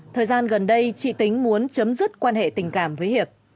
thời gian gần đây chị tính muốn chấm dứt quan hệ tình cảm với hiệp